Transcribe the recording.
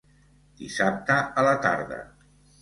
Dissabte a la tarda.